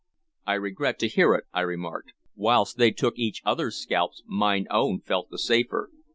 "I regret to hear it," I remarked. "Whilst they took each other's scalps, mine own felt the safer."